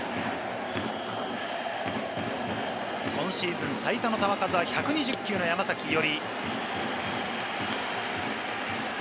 今シーズン最多の球数は１２０球の山崎伊織。